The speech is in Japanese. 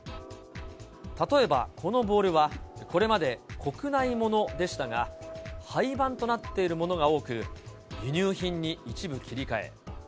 例えばこのボールは、これまで国内物でしたが、廃番となっているものが多く、輸入品に一部切り替え。